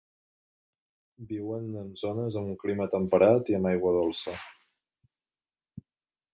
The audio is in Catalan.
Viuen en zones amb un clima temperat i amb aigua dolça.